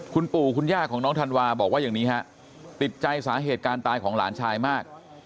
คุณปู่คุณย่าของน้องธันวาบอกว่าอย่างนี้ฮะติดใจสาเหตุการณ์ตายของหลานชายมาก